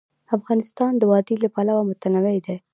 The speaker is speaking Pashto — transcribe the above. افغانستان د وادي له پلوه متنوع دی.